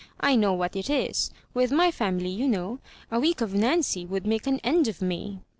I know what it is. "With my fami ly, you know, a week of Nancy would make an end of me."